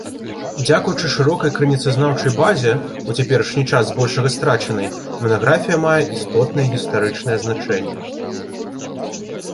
Дзякуючы шырокай крыніцазнаўчай базе, у цяперашні час збольшага страчанай, манаграфія мае істотнае гістарычнае значэнне.